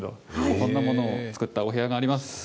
そんなものを作ったお部屋があります。